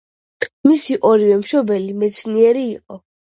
მისი ორივე მშობელი მეცნიერი იყო.